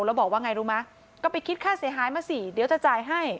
แล้วบอกว่าไงรู้ไหมก็ไปคิดค่าเสียหายมาสิเดี๋ยวจะจ่ายให้